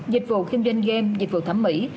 dịch vụ kinh doanh game dịch vụ thẩm mỹ